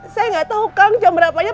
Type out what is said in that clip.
saya gak tau kang jam berapanya